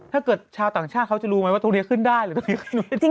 ชาวต่างชาติเขาจะรู้ไหมว่าตรงนี้ขึ้นได้หรือตรงนี้ขึ้น